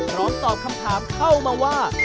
พร้อมตอบคำถามเข้ามาว่า